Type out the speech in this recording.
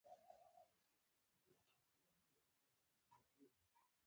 زه په زړه د مومن خان یم او ګیله منه یم.